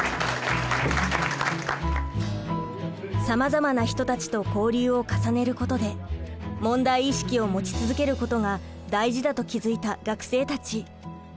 さまざまな人たちと交流を重ねることで問題意識を持ち続けることが大事だと気付いた学生たち。